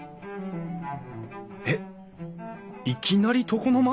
えっいきなり床の間！？